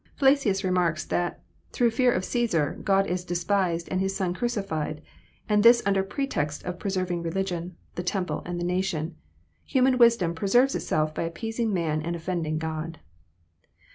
Flacius remarks that "through fear of Csesar, God is de spised and His Son crucified, and this under pretext of preserv ing religion, the temple, and the nation. Human wisdom preserves itself by appeasing man and ofiiending God